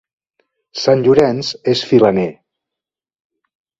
Sant Llorenç és filaner.